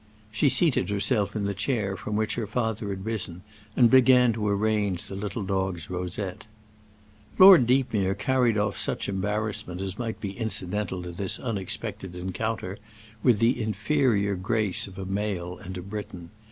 She seated herself in the chair from which her father had risen, and began to arrange the little dog's rosette. Lord Deepmere carried off such embarrassment as might be incidental to this unexpected encounter with the inferior grace of a male and a Briton.